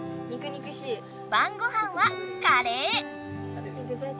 ばんごはんはカレー！